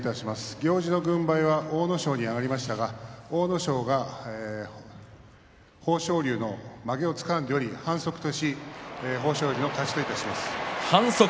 行司軍配は、阿武咲に上がりましたが阿武咲が豊昇龍のまげをつかんでおり反則とし、豊昇龍の勝ちといたします。